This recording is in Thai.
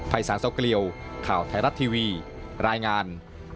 สารโซเกลียวข่าวไทยรัฐทีวีรายงาน